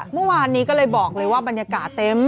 เมื่อวานนี้ก็เลยบอกเลยว่าบรรยากาศเต็ม